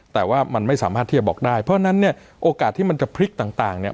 แต่ว่ามันไม่สามารถที่จะบอกได้เพราะฉะนั้นเนี่ยโอกาสที่มันจะพลิกต่างเนี่ย